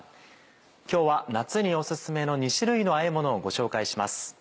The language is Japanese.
今日は夏にお薦めの２種類のあえものをご紹介します。